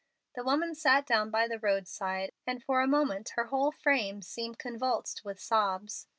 The woman sat down by the roadside, and for a moment her whole frame seemed convulsed with sobs.